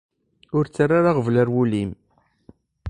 Ur ttarra ara aɣbel ar wul-im.